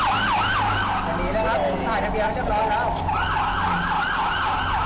สำหรับตอนนี้คงติดประจ๋ากว่าได้ไหมเอาน่ากาไต๘๙๗๘